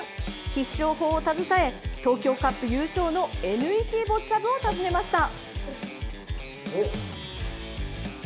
必勝法を携え東京カップ優勝のＮＥＣボッチャ部を訪ねました。